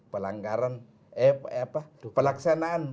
pelanggaran eh apa pelaksanaan